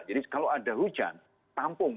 jadi kalau ada hujan tampung